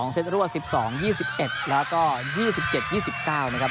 เซตรั่ว๑๒๒๑แล้วก็๒๗๒๙นะครับ